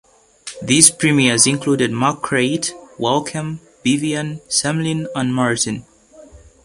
These premiers included McCreight, Walkem, Bevean, Semlin, and Martin.